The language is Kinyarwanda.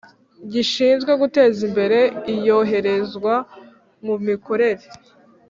Gishinzwe guteza imbere Iyoherezwa mu mikorere